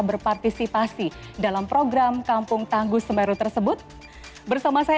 berpartisipasi dalam program kampung tangguh semeru tersebut bersama saya